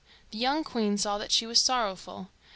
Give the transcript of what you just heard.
The young queen saw that she was sorrowful.